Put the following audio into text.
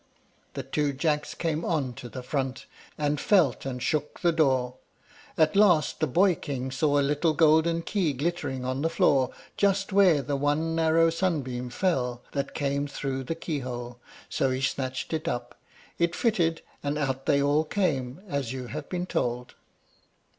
The two Jacks came on to the front, and felt and shook the door. At last the boy king saw a little golden key glittering on the floor, just where the one narrow sunbeam fell that came through the keyhole; so he snatched it up. It fitted, and out they all came, as you have been told.